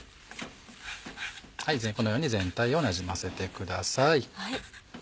このように全体をなじませてください。